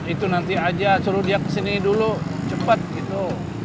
itu nanti aja suruh dia kesini dulu cepat gitu